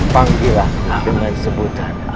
panggilah dengan sebutan